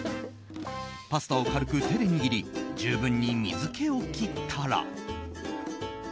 パスタを軽く手で握り十分に水気を切ったら。